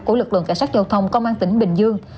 của lực lượng cảnh sát giao thông công an tỉnh bình dương